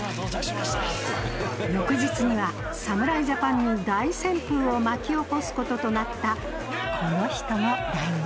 翌日には侍ジャパンに大旋風を巻き起こす事となったこの人も来日。